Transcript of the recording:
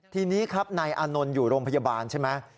ทีนี้ครับนายอานนท์อยู่โรงพยาบาลใช่ไหม